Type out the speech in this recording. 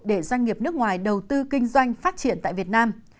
để doanh nghiệp nước ngoài đầu tư kinh doanh phát triển tại việt nam